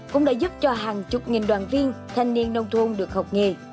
cũng đã giúp cho hàng chục nghìn đoàn viên thanh niên nông thôn được học nghề